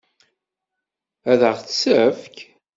Ad ɣ-tt-tefk?